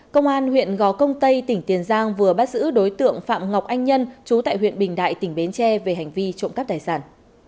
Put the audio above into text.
công an huyện gò công tây tỉnh tiền giang vừa bắt giữ đối tượng phạm ngọc anh nhân chú tại huyện bình đại tỉnh bến tre về hành vi trộm cắp tài sản